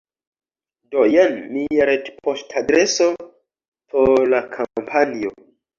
Do jen mia retpoŝtadreso por la kampanjo